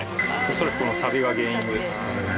恐らくこのサビが原因です。